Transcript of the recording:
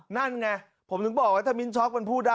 นั่นไงผมถึงบอกว่าถ้ามิ้นช็อกมันพูดได้